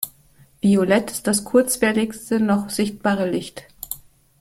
Violett ist das kurzwelligste noch sichtbare Licht.